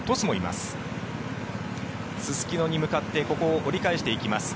すすきのに向かってここを折り返していきます。